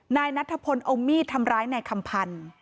นายนัทธพลเอามีดทำร้ายนายคำพันธ์